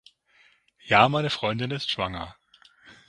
Ja, meine Freundin ist schwanger.